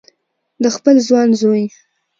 د خپل ځوان زوی